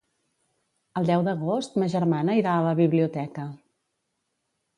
El deu d'agost ma germana irà a la biblioteca.